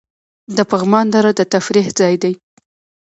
د پغمان دره د تفریح ځای دی